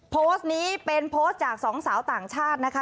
โพสต์นี้เป็นโพสต์จากสองสาวต่างชาตินะคะ